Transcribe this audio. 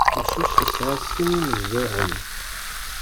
Amcic yesɛa sin imeẓẓuɣen.